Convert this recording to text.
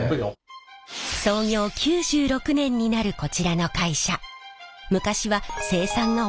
創業９６年になるこちらの会社。